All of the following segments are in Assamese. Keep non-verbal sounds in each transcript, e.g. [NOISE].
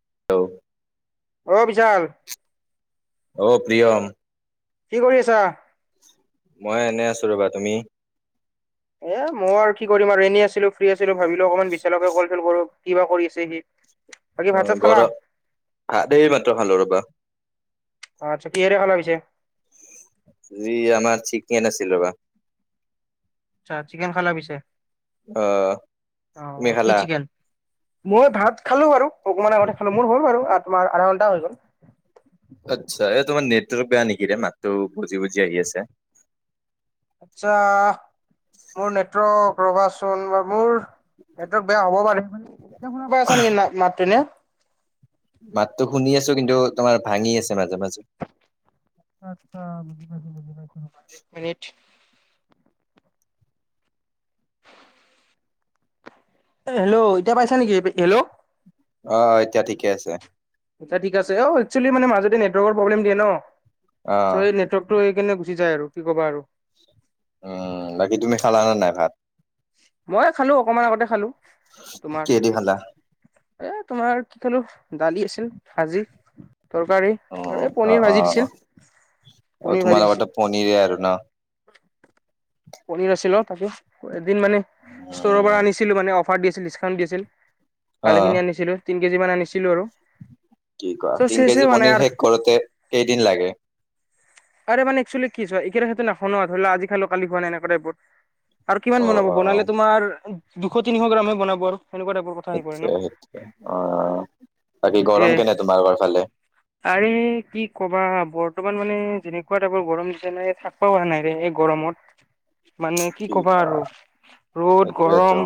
[UNINTELLIGIBLE] আহ বিশাল অঔ প্ৰিয়ম। কি কৰি আছা? মই এনে আছো ৰবা। তুমি? এ মই আৰু কি কৰিম আৰু এনি আছিলো ফ্ৰী আছিলো ভাবিলো অকমান বিশচালকে কল চল কৰো কিবা কৰি আছে সি বাকী অ ভাত চাত খালা ঘৰ হ এই মাত্ৰ খালোঁ ৰবা। আচছা কিহেৰে খালা পিছে? আজি আমাৰ চিকেন আছিল ৰবা। আচ্ছা চিকেন খালা পিছে অ অহ তুমি কি খালা চিকেন? মই ভাত খালো বাৰু অকমান আগতে খালো মোৰ হ'ল বাৰু তোমাৰ আধা ঘন্টা হৈ গ'ল। আচ্ছা এই তোমাৰ নেটৱৰ্ক বেয়া নেকি ৰে মাততো বজি-বজি আহি আছে। আচ্ছা মোৰ নেটৱৰ্ক ৰবাচোন বা মোৰ নেটৱৰ্ক বেয়া হব পাৰে তুমি শুনা পাই আছা নেকি মাতটো এনে? মাততো শুনি আছো কিন্তু তোমাৰ ভাঙি আছে মাজে - মাজে। [UNINTELLIGIBLE] এক মিনট। হেল্ল', এতিয়া পাইছা নেকি হেল্ল', অ এতিয়া ঠিকে আছে। আচ্ছা ঠিক আছে অ একচুৱেলি মানে মাজতে নেটৱৰ্কৰ প্ৰব্লেম দিয়ে ন অ চ' এই নেৱৰ্কটো কেনে গুচি যায় আৰু কি ক'বা আৰু উম বাকী তুমি খালা নে নাই ভাত? মই খালো অকমান আগতে খালো তোমাৰ কিহেদি খালা এ তোমাৰ। কি খালোঁ দালি আছিল ভাজি তৰকাৰী অ আৰু এই অ পনীৰ অ ভাজি দিছিল। অ পনিৰ ভাজি দিছিল তোমালোকৰটো পনিৰে আৰু ন। পনিৰ আছিল অ তাকে এদিন মানে ষ্টৰৰ উম পৰা আনিছিলো ম অফাৰ দিছিল ডিছকাউণ্ট দি আছিল অ ভালখিনি আনিছিলোঁ তিনি কেজিমান আনিছিলোঁ আৰু কি কোৱা চ' তিন চেছে কেজি হোৱা নাই পনিৰ আৰু শেষ কৰোতে কেইদিন লাগে। আৰে মান একচুৱেলী কি চোৱা। সেইটো নাখন ধৰি ল আজি খালো কালি খোৱা ন এনেকা টাইপৰ আৰু কিমান অ বনাব অ বনালে তোমাৰ। দুশ তিনিশ গ্ৰামে বনাব আৰু সেনেকুৱা টাইপৰ কথা আহি পৰে সেইটোৱে ন। সেইটোৱে অ বাকী গৰম সেইটোয়ে কেনে তোমালোকৰ ফালে? আৰে কি কবা বৰ বৰ্তমান মানে যেনেকুৱা টাইপৰ গৰম যে নাই থাকব পৰা নাই এই গৰমত। মানে কি ক'বা আৰু ৰ'দ সেইটোয়েতো গৰম।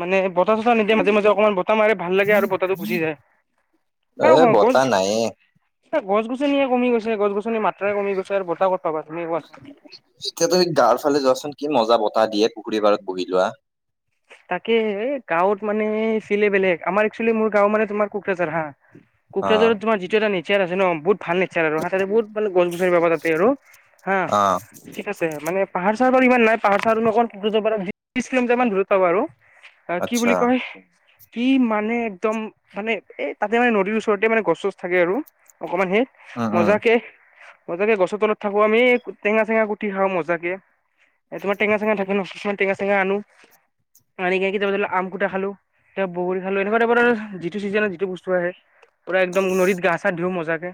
মানে বতাহ চতাহ নিদিয়ে মাজে মাজে অকণমান বতাহ মাৰে ভাল লাগে আৰু বতাহটো গুচি যায়। এ বতাহ নাইয়ে এ গছ গছনিয়ে কমি গৈছে গছ গছনিৰ মাত্ৰাই কমি গৈছে আৰু বতাহ কত পাবা তুমি কোৱাচোন। এতিয়া তুমি গাঁৱৰ ফালে যোৱাচোন কি মজা বতাহ দিয়ে পুখুৰী বাৰত বহি লোৱা। তাকে গাঁৱত মানে চিলে বেলেগ আমাৰ একচুৱেলি মোৰ গাঁও মানে তোমাৰ কোকৰাঝাৰ হা অ কোকৰাঝাৰৰ তোমাৰ যিটো এটা নেচাৰ আছে ন বহুত ভাল নেচাৰ আৰু হাতে বহুত মানে গছ গছনি পাবা তাতে আৰু, হা অ ঠিক আছে মানে পাহাৰ চাহাৰ বাৰু ইমান নাই পাহাৰ চাহৰকণ ত্ৰিশ কিলোমিটাৰ মান দূৰত পাব আৰু কি আচ্ছা বুলি কয়। কি মানে একদম মানে এ তাতে মানে নদীৰ ওচৰতে মানে গছ চছ থাকে আৰু অকমান সেই উম উম মজাকে মজাকে গছৰ তলত থাকো আমি টেঙা চেঙা কুটি খাওঁ মজাকে। এ তোমাৰ টেঙা চেঙা থাকে ন কিছুমান টেঙা চেঙা আনো। আনি কেনে কেতিয়াবা ধৰি আম কুটা খালো তাৰ বগৰী খালো এনেকুৱা টাইপৰ যিটো ছিজ যিটো বস্তু আহে। পূৰা একদম নদীত গা চা ধুওঁ মজাকে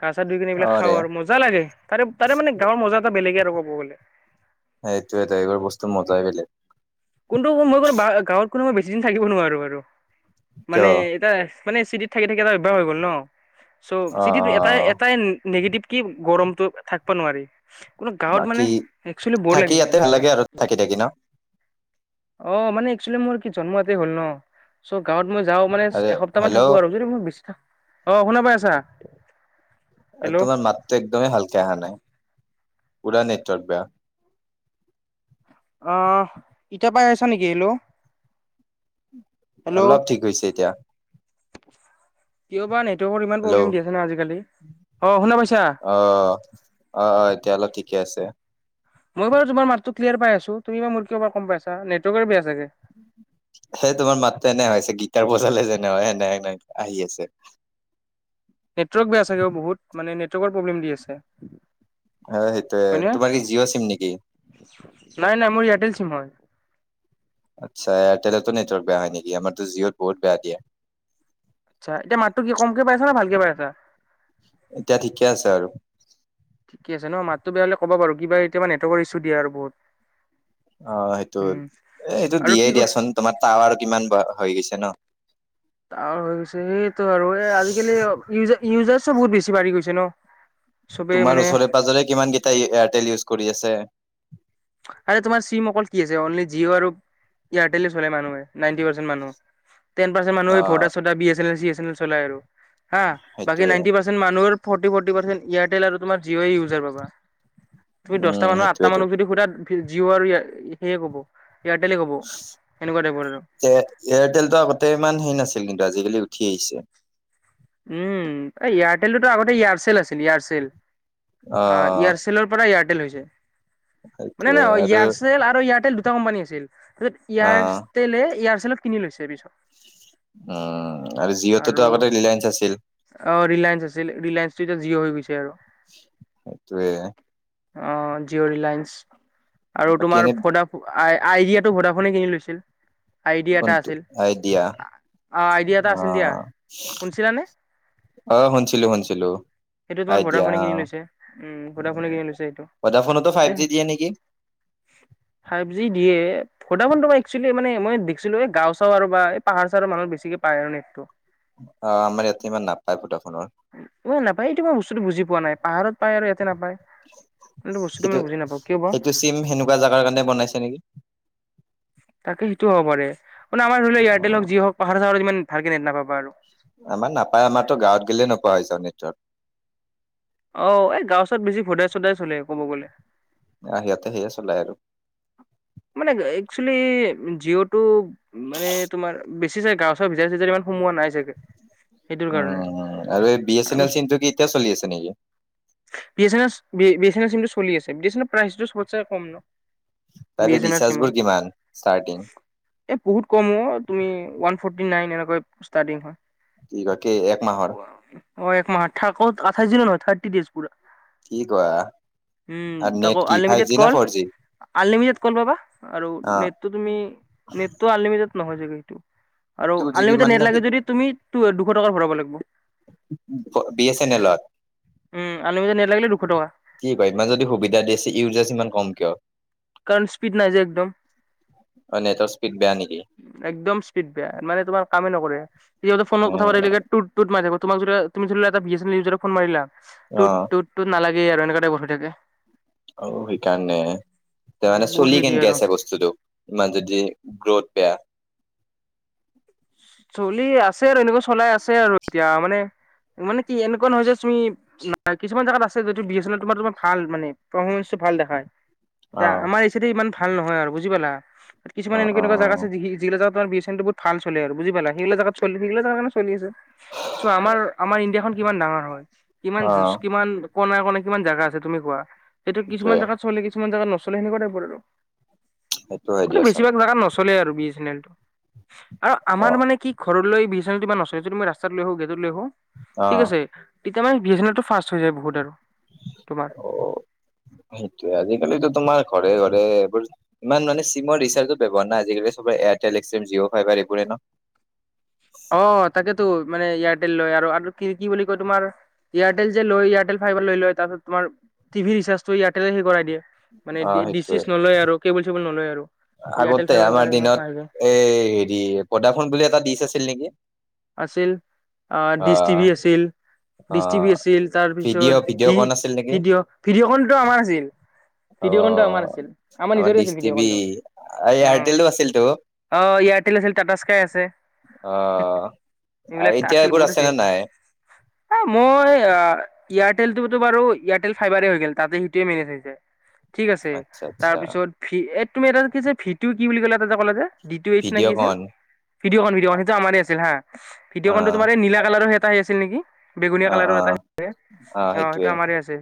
গা চা ধুই কিনে অ এইবিলাক ৰে খাওঁ আৰু মজা লাগে তাৰে তাৰে মানে গাঁৱৰ মজা এটা বেলেগে আৰু কব গ'লে। স এইটোয় ত এইবোৰ বস্তু মজাই বেলেগ। কোনটো মই কোনো গাঁৱত কোনো মই বেছি দিন থাকিব নোৱাৰো আৰু কিয় মানে অ এটা মানে চিটিত থাকি থাকি এটা অভ্যাস হৈ গ'ল ন'। চ' চিটিত এটাই অ এটাই নি নিগেটিভ কি, গৰমটো থাকব নোৱাৰি। কোনো গাঁৱত মানে, বাকী এক্সচুৱেলি ব'ৰ থাকি লাগি যায়। ইয়াতে মানে, ভাল সেইটো লাগে কাৰণে। আৰু থাকি থাকি ন অঁ, মানে, এক্সচুৱেলি মোৰ কি, জন্ম ইয়াতে হ'ল ন'। চব গাঁৱত মই যাওঁ মানে, আৰে এসপ্তাহ মান হেল্ল' থাকো আৰু যদি মোৰ বেছি থা অঁ শুনা পাই আছা? হেল্ল' তোমাৰ মাতটো একদমেই ভালকে আহা নাই। পুৰা নেটৱৰ্ক বেয়া। অঁহ, এতিয়া পাই আছা নেকি? হেল্ল! অলপ ঠিক হৈছে এতিয়া। জিঅ' পোৱা নেট? টৱৰ্কৰ ইমান হেল্ল' অ প্ৰব্লেম দিয়া আছে না আজি-কালি। অ শুনা পাইছা? অ অ এতিয়া অলপ ঠিকে আছে। মই বাৰু তোমাৰ মাতটো ক্লিয়াৰ পাই আছোঁ। তুমি বা মোতকে কমপাই আছা নেটৱৰ্কৰ বেয়া চাগে? সেই তোমাৰ মাতটো এনে হৈ আছে। গীটাৰ বজালে যেনে হ'য়, সেনে সেনে আহি আছে। নেটৱৰ্ক বেয়া চাগে বহুত মানে, নেটৱৰ্কৰ প্ৰব্লেম দি আছে। অ সেইটোয়ে হ'য় নে? তোমাৰ কি জিঅ' চিম নেকি? নাই নাই মোৰ এয়াৰটেল চিম হ'য়। আচ্ছা, এয়াৰটেলটো নেটৱৰ্ক বেয়া হ'য় নেকি? আমাৰটো জিঅ'ত বহুত বেয়া দিয়ে। আচ্ছা, এতিয়া মাতটো কি কমকে পাই আছা নে, ভালকে পাই আছা? এতিয়া ঠিকে আছে আৰু। ঠিকে আছে ন'? মাতটো বেয়া হ'লে ক'ব বাৰু? কিবা এতিয়াপা নেটৱৰ্কৰ ইছ্যু দিয়ে আৰু বহুত। অঁ, সেইটোৱে। উম এ এইটো আৰু দিয়ে কি কৈছ দিয়াচোন। তোমাৰ তাৱাৰ কিমান বাঢ় হৈ গৈছে ন'? তাৱাৰ হৈ গৈছে। সেইটো আৰু এই আজি-কালি অঁ ইজে ইউজাৰছো বহুত বেছি বাঢ়ি গৈছে ন'? চবে তোমাৰ মানে ওচৰে -পাজৰে কিমানগিটাই ইয়ে- এয়াৰটেল ইউজ কৰি আছে? আৰে, তোমাৰ চিম অকল কি আছে? অনলি জিঅ' আৰু ইয়াৰটেলে চলাই মানুহে। নাইনটি পাৰ্চেণ্ট মানুহ টেন পাৰ্চেণ্ট অ মানুহে ভদা- চদা, B A channel -C A channel চলাই আৰু। হাঁ বাকি সেইটোয়ে নাইনটি পাৰ্চেণ্ট মানুহৰ ৰ্ফটি ৰ্ফটি পাৰ্চেণ্ট এয়াৰটেল আৰু তোমাৰ জিঅ' এ ইউজাৰ পাবা। তুমি দশটা উম মানুহৰ, আঠটা সেইটোয়েতো মানুক যদি সোধা জিঅ' আৰু এয়াৰটেলে ক'ব। সেনেকুৱা টাইপৰ আৰু এ এয়াৰটেলটো আগতে ইমান হেৰি নাছিল কিন্তু আজি-কালি উ ঠিআহিছে। উম, এই এয়াৰটেলতোটো আগতে এয়াৰচেল আছিলে এয়াৰচেল। অ আঁ, এয়াৰচেলৰ পৰা এয়াৰটেল হৈছে। মানে সেইটোয়ে ন' আৰু এয়াৰচেল আৰু এয়াৰটেল দু টা কোম্পানী আছিল। তাৰপিছত অ এয়াৰটেলে, এয়াৰচেলক কিনি লৈছে পিছত। অঁ আৰু জিঅ'তোটো আগতে ৰিলায়েন্স আছিল অঁ ৰিলায়েন্স আছিল। ৰিলায়েন্সটো এতিয়া জিঅ' হৈছে আৰু। সেইটোৱে। অঁ, জিঅ' ৰিলায়েন্স। আৰু বাকী তোমাৰ এনে ভদা ফো আই, আই ইয়েটো ভদাফোনে কিনি লৈছিল। আইডিয়া এটা কোনটো আছিল। আইডিয়া অঁ আইডিয়া এটা আছিল দিয়া। শুনিছিলানে? অঁ, শুনিছিলোঁ, শুনিছিলোঁ। সেইটো তোমাৰ ভডা ফোনে কিনি লৈছে। উম, ভোদা ফোনে কিনি লৈছে ভদাফোনতো ফাইভ সেইটো। জি দিয়ে নেকি? ফাইভ জি দিয়ে। ভোডাফোন তোমাৰ এক্সচুৱেলি মানে, মই দেখছিলোৱে গাঁও -চাওঁ আৰু বা এই পাহাৰ -চাহাৰৰ মানুহে বেছিকে পায় আৰু নেট্‌ টো। অ', আমাৰ ইয়াতে ইমান নাপায় ভদাফোনৰ উম, নাপায় এইটো মই বস্তুটো বুজি পোৱা নাই। পাহাৰত পায় আৰু ইয়া তে নাপাই। সেইটো, সেইটো চিম সেনেকুৱা জাগাৰ কাৰণে বনাইছে নেকি? তাকে সেইটোও হ'ব পাৰে। মানে, আমাৰ ধৰি লওক এয়াৰটেল অ', হওক, যি হওক পাহাৰে -চাহাৰে ইমান ভালকে নেট নাপাবা আৰু। আমাৰ নাপায়। আমাৰটো গাঁৱত গে'লে নোপোৱা হৈছে নেটটো। অঁ, এই গাৱঁ- চাৱত বেছি ভদাই- চদাই চলে ক'ব গ'লে। আহ সিহঁতে সেয়ে চলাই আৰু মানে একচুৱেলি জিঅ'তটো মানে তোমাৰ বেছি চা গাও চা ভিজাৰ চিজাৰ ইমান সোমোৱা নাই চাগে সেইটোৰ উ কাৰণে আৰু এই বি এছ এন আৰু এল চিনটো কি এতিয়া চলি আছে নেকি B S N S B B S N S চিমটো চলি আছে বি এছ এনৰ প্ৰাইচটো সবতে কম ন বি তাৰে এচেনেল ৰিচাৰ্জ চিমখন বোৰ কিমান ষ্টাৰ্টিং এ বহুত কম অ তুমি ওৱান ফটি নাইন এনেকৈ ষ্টাডিং হয় বাকি এক মাহৰ অ এক মাহত থাকত আঠাইছ দিনৰ হয় থাৰ্টি ডেইজ কি কোৱা উম আৰু নেট তাকো কি ফাইভ অনলিমিটেড জি না call for G? Unlimited call পাবা আৰু অ', নেটটো তুমি নেটটো আনলিমিতেড নহয় চাগে সেইটো আৰু টু জি বি আনলিমিটেড মান নেট নেকি লাগে যদি তুমি দুশ টকা ভৰাব লাগিব বি এ ছেনেলত উম আনলিমিটেড নেট লাগিলে দুশ টকা কি কয় ইমান যদি সুবিধা দিছে ইউজজ ইমান কম কিয় কাৰণ স্পীড নাই যে একদম অ নেটৰ স্পীড বেয়া নেকি একদম স্পীড বেয়া মানে তোমাৰ কামেই নকৰে এতিয়া ফোন অ কথা পাতিলে থাকিলে টুত টুত মাৰি থাকো তোমাক যদি তুমি ধৰি ল এটা বি এছ এন এল উইজাৰক ফোন মাৰিলা অ টোত টোত টোত নালাগে আৰু এনেকা টাইপ হৈ থাকে অ সেইকাৰণে তাৰ মানে বহুত চলি হেৰি দিয়ে কেনেকে আৰু আছে বস্তুটোক ইমান যদি গ্ৰথ বেয়া চলি আছে আৰু এনেকুৱা চলাই আছে আৰু এতিয়া মানে মানে কি এনেকুৱা নহয় যে তুমি কিছুমান জেগাত আছে যিটো বি এ চেনেল তোমাৰ তোমাৰ ভাল মানে ভাল দেখায় এতিয়া অ আমাৰ ইচয়াতে ইমান ভাল নহয় আৰু বুজি পালা কিছুমান অ এনেকুৱা অ এনেুৱা জাগা আছে যগিলা জাত তোমাৰ [UNINTELLIGIBLE] বহুত ভাল চলে আৰু বুজি পালা সেইলা জোত চল সেইল চলি আছে চ' আমাৰ আমাৰ ইণ্ডিয়াখন কিমান ডাঙৰ হয় কিমান অ কিমান কনে কনে কিমান জেগা আছে তুমি কোৱা সেটো সেইটোৱে কিছুমান জেগাত চলে কিছমান জেগাত নচলে সেনেকুৱা টাইপত আৰু সেইটো হয় দিয়াচোন চলে আৰু বি এ চেনেল টো আৰু অ আমাৰ মানে কি ঘৰলৈ বি এছ এল টো বা নচলে তই ৰাস্তাত লৈ আহ গ অ ঠিক আছে তেতিয়া মান বি এ চেনেল টো ফাৰ্ষ্ট হৈ যায় বহুত আৰু তোমাৰ। অ সেইটোয়ে আজিকালিতো তোমাৰ ঘৰে ঘৰে এইবোৰ ইমান মানে চিমৰ ৰিচাৰ্জো ব্যৱহাৰ নাই আজিকালি চবৰে এয়াৰটেল এক্সিম জিঅ' ফাইভাৰ এইবোৰেই ন অ তাকেতো মানে এয়াৰটেল লৈ আৰু আৰু কি কি বুলি কয় তোমাৰ এয়াৰটেল যে লয় এয়াৰটেল ফাইভাৰ লৈ লয় তাৰপাত তোমাৰ টিভি ৰিচাৰ্জটো এয়াৰটেলে সেই কৰাই দিয়ে অ মানে ডিচ সেইটোৱে চিচ নলয় আৰু কেবল চেবুল নলয় আৰু এয়াৰটেল আগতে ফাইবাৰ দ্বাৰা আমাৰ তোমাৰ দিনত পাই যায়। এ হেৰি ভদাফন বুলি এটা দিচ আছিল নেকি আছিল অ ডিছ টিভি আছিল ডিচ অ টিভি আছিল তাৰ পিছত ভিডিঅ' ভিডিঅ' ভি কন আছিল নেকি ভিডিঅ' ভিডিঅ'খনতো আমাৰ আছিল অ ভিডিঅ' কনটো আমাৰ আছিল আমাৰ নিজৰে ডিচ আছিল ভিডিঅ' টিভি কন টো অ এয়াৰটেলো আছিলতো অ এয়াৰটেল আছিল টাটা স্কাই আছে অ এইবিলাক এতিয়া আছিল এইবোৰ বহুত আছে আছিল নে এ নাই মই এয়াৰটেলটোতো বাৰু এয়াৰটেল ফাইবাৰে হৈ গ'ল তাতে সিটোৱে মেনেজ হৈছে ঠিক আছে আচ্ছা আচ্ছা তাৰপিছত ভি তুমি এটা কি যে ভিটো কি বুলি ক'লে এটা যে ক'লে যে ডি ট এইচ নে কি ভিডিঅ' আছিল কন ভিঅ'খন ভিডিঅখন সেইটো আমাৰ আছিল হা অ ভিডিঅ'ন তোম এই নীল কালাৰৰ এটা আহি আছিল নেকি বেগুনীয়া অ কালাৰো অ এটা আহ আছে অ সেইটো আমাৰ আছে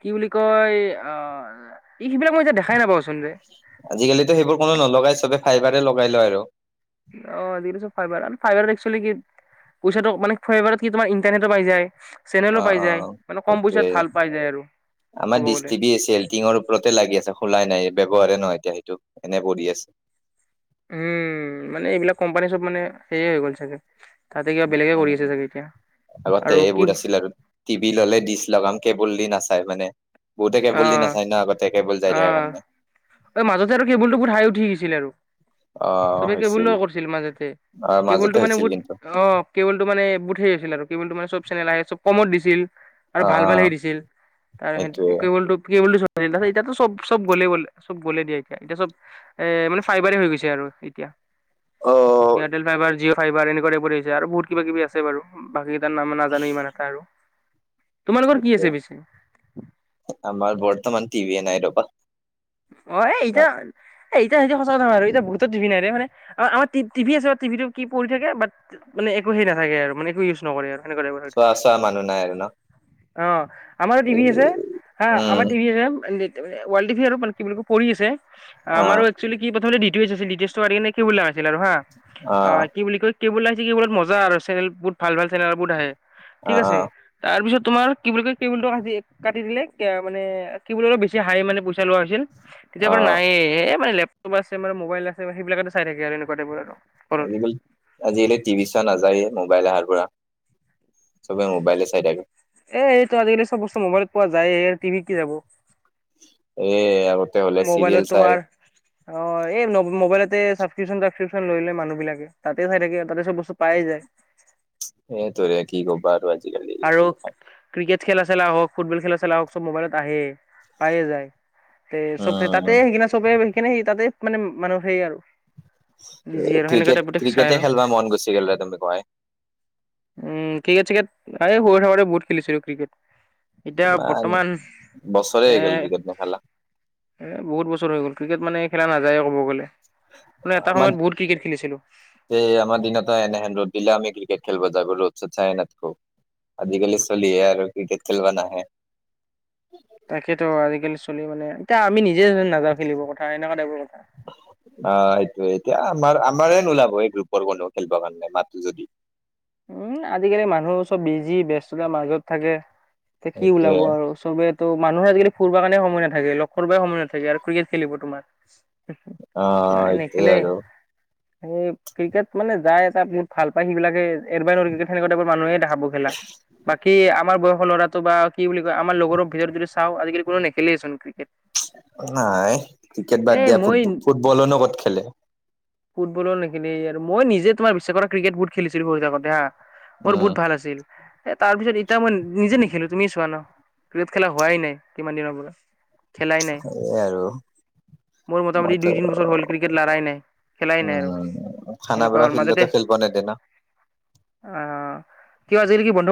কি বুলি কয় আহ এই সেইবিলাক মই এতিয়া দেখাই নাপাওচোন যে আজিকালিতো সেইবোৰ কোনো নলগাই চবে ফাইবাৰে লগাই লয় আৰু অছ ফাইবাৰ আৰু ফাইবাৰ একশ্যলি কি পইচাটো মানে ফাইৱাৰত কি তোমাৰ ইণ্টাৰনেটো পাই যায় অ চেনেলো পাই অ যায় মানে কম সেইটোয়ে পইচাত ভাল পাই যায় আৰু- আমাৰ ক'ব দিশ গ'লে টিভি আছে এলল্টিঙৰ ওপৰতে লাগি আছে। খোলাই নাই ব্যৱহাৰে নহয় এতিয়া সেইটো এনে পৰি আছে। উম মানে এইবিলাক কোম্পানী চোম্পানি মানে হেয়ে হৈ গ'ল চাগে। তাতে কিবা বেলেগে কৰি আছে চাগে এতিয়া আগতে আৰু কি এইবোৰ আছিল আৰু টিভি ললে ডিছ লগাম কে বুল দি নাচায় মানে, বহুতে অ কেবুল দি নাচায় ন আগতে। কেবুল যাই অ থাকে কাৰণে এই মাজতে আৰু কেবুলটো বহুত হাই উঠি গৈছিলে আৰু। আহ চবে কেবুল হৈছিল লোৱা কৰিছিল মাজেতে। আহ মাজতে কেবুলটো মানে হৈছিল বহুত কিন্তু অ কেবুলটো মানে বহুত সেইৰি আছিল আৰু কেবুলটো মানে চব চেনেল আহে চব কমত দিছিল। আৰু ভাল ভাল আহ হেৰি দিছিল তাৰ সেইটোয়ে। কেবুলটো কেবুলটো চলিছিল। এতিয়াতো চব চব গলে গলে চব গ'লে দিয়া এতিয়া, এতিয়া চব এ মানে ফাইবাৰে হৈ গৈছে আৰু এতিয়া। অ'। এয়াৰটেল ফাইভাৰ জিঅ' ফাইবাৰ এনেকুৱা টাইপৰ আহিছে আৰু বহুত কিবা কিবি আছে বাৰু বাকি নাম নাজানো ইমান এটা আৰু। তোমালোকৰ কি আছে সেইটোৱে পিছে আমাৰ বৰ্তমান টিভিয়ে নাই ৰবা। অ আমাৰ এতিয়া এই এতিয়া সেইটো সঁচা কথা আৰু এতিয়া বহুতৰ টিভি নাই মানে আমাৰ টিভি আছে টিভিটো কি পৰি থাকে বাত একো সেই নাথাকে আৰু মানে একো ইউজ নকৰে আৰু। সেনেকুৱা টাইপৰ হৈ চোৱা থাকে চোৱা মানুহ নাই আৰু ন? অ আমাৰো টিভি আছে হা আমাৰ উম টিভি আছে ৱাল টিভি আৰু কি বুলি কয় পৰি আছে আমাৰো অ', এক্কচুৱেলী কি ডি টি এইছ প্ৰথমতে ডি টি এইছটো কেবুল লাগাই ছিল আৰু হা, অ কি বুলি কয় কেবুল লাইনটো কি মানে মজা আৰু চেনেল বহুত ভাল ভাল চেনেল বহুত আহে। ঠিক অ', আছে অ', তাৰপিছত তোমাৰ কি বুলি কয় কেবুলটো কাটি কাটি দিলে মানে কেবুলৰ অলপ বেছি হাই মানে পইচা লোৱা হৈছিল। তেতিয়াৰ পৰা অ', নাইয়ে, এই মানে লেপটপ আছে মানে মোবাইল আছে সেইবিলাকতে চাই থাকে আৰু এনেকুৱা টাইপৰ আৰু। ঘৰত আজিকালি আজিকালি টিভি চোৱা নাযায়েই মোবাইল আহাৰ পৰা। চবে মোবাইলে চাই থাকে। এ এইটো আজিকালি চব বস্তু মোবাইলত পোৱা যায়ে টিভিত কি চাব। এ আগতে হলে চিৰিয়েল তোমাৰ চাই। অ এই মোবাইলতে ছাবছক্ৰিপশন চাবছক্ৰিপশন লৈ লয় মানুহ বিলাকে তাতে চাই থাকে তাতে চব বস্তু পাইয়ে যায়। [INAUDIBLE] এই তোৰে কি কবা আজি। আৰু ক্ৰিকেট খেলা চেলা হওক, ফুটবল খেলা চেলা হওক, চব মোবাইলত আহে পাইয়ে যায়। তে চবে উম তাতে সেই কিনে চবে সেইকাৰনে সেই তাতে মানে মানুহ সেই আৰু বিজি এ আৰু সেনেকুৱা ক্ৰিকেট টাইপতে চাই ক্ৰিকেটে আৰু খেলবা মন গুচি গ'লে তুমি কয়। উম ক্ৰিকেট চিকেট আগতে সৰু হৈ থাকোঁতে বহুত খেলিছিলো ক্ৰিকেট। এতিয়া ইমান বৰ্তমান বছৰে এ হৈ গ'ল ক্ৰিকেট নেখেলা এ বহুত বছৰ হৈ গ'ল। ক্ৰিকেট মানে খেলা নাযায়। আমাৰ খেলিছিলো এই আমাৰ দিনতে এনেহেন ৰ'দ। দিলে আমি ক্ৰিকেট খেলব যাবলৈ ৰ'দ চদ চাই নাথাকো। আজিকালি ছলিহে আৰু ক্ৰিকেট খেলিব নাহে। তাকেতো আজিকালি ছলি মানে এতিয়া আমি নি যে নাযাওঁ খেলিবৰ কথা এনেকুৱা টাইপৰ কথা। অ সেইটোয়ে এতিয়া আমাৰ আমাৰে নোলাব এই গ্ৰুপৰ কোনো খেলিবৰ কাৰণে মাতো যদি। উম আজিকালি মানুহ চব বিজি ব্যস্ততা মাজত থাকে। এতিয়া কি ওলাব সেইটোয়ে আৰু চবে ত' মানুহে আজিকালি ফুৰিব কাৰণে সময় নাথাকে, লগ কৰিব সময় নাথাকে, আৰু ক্ৰিকেট খেলিব তোমাৰ। অ নাই সেইটোয়ে নেখেলে। আৰু সেই ক্ৰিকেট মানে যাই তাত বহুত ভাল পায় সেইবিলাকে এৰিবা নোৱাৰে ক্ৰিকেট সেনেকুৱা টাইপৰ মানুহে দেখা পাবা খেলা। বাকি আমাৰ বয়স ৰ ল'ৰাটো বা কি বুলি কয় আমাৰ লগৰ বোৰক যদি চাওঁ, আজিকালি কোনো নেখেলেই চোন ক্ৰিকেট। নাই, ক্ৰিকেট এ বাদ দিয়া, ফুট- ফুট- মই ফুটবলনো ক'ত খেলে? ফুটবলো নেখিলি আৰু মই নিজে তোমাৰ বিশ্বাস কৰা, ক্ৰিকেট বহু খেলিছিলোঁ সৰু থাকোঁতে হা। মোৰ উম বহুত ভাল আছিল। এ তাৰ পিছত এতিয়া মই নিজে নেখেলোঁ তুমি চোৱা ন'? ক্ৰিকেট খেলা হোৱাই নাই কিমান দিনৰ পৰা। খেলাই নাই। সেয়ে আৰু মোৰ মোটামুটি মইতো দুই-তিন বছৰ হ'ল। ক্ৰিকেট লাৰাই নাই। খেলাই নাই আৰু। উম এনেকুৱা খানাপাৰা হ'ল, ফিল্ডতো মাজতে- খেলিব নেদে ন অ' কিয় আজি নেকি বন্ধ